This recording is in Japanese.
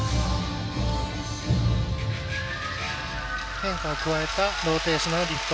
変化を加えたローテーショナルリフト。